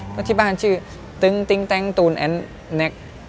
พอที่บ้านชื่อตึงติ๊งตั้งตูนแอนด์นัก